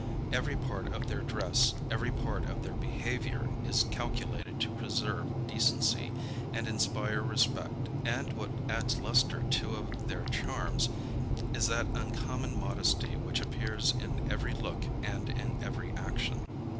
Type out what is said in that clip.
Every part of their dress, every part of their behavior is calculated to preserve decency, and inspire respect. And, what adds lustre to of their charms, is that uncommon modesty which appears in every look and in every action.